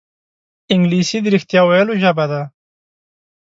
انګلیسي د رښتیا ویلو ژبه ده